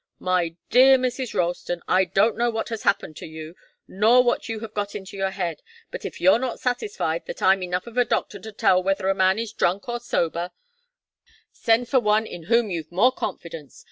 "My dear Mrs. Ralston, I don't know what has happened to you, nor what you have got into your head. But if you're not satisfied that I'm enough of a doctor to tell whether a man is drunk or sober, send for some one in whom you've more confidence.